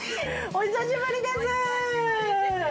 お久しぶりです。